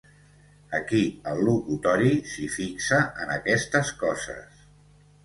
Aquí al locutori s'hi fixa, en aquestes coses.